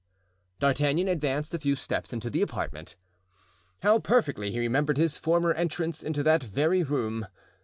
D'Artagnan advanced a few steps into the apartment. How perfectly he remembered his former entrance into that very room!